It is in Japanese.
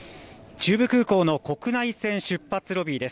中部空港の国内線出発ロビーです。